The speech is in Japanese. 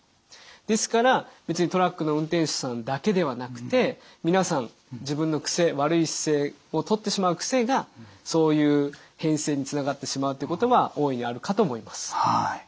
ですから別にトラックの運転手さんだけではなくて皆さん自分の癖悪い姿勢をとってしまう癖がそういう変性につながってしまうっていうことは大いにあるかと思います。